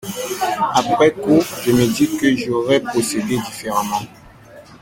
Après-coup, je me dis que j'aurais procédé différemment.